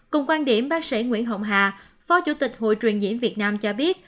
cùng quan điểm bác sĩ nguyễn hồng hà phó chủ tịch hội truyền diễn việt nam cho biết